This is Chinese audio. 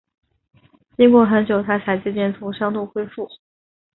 经过很久，她才渐渐从伤痛恢复